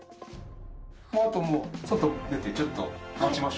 あともう外出てちょっと待ちましょう。